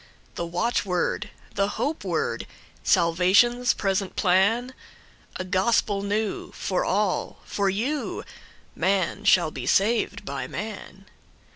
The watchword, the hope word, Salvation's present plan?A gospel new, for all—for you:Man shall be saved by man.